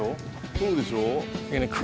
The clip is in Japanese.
そうでしょ？